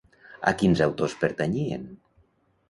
I a quins autors pertanyien?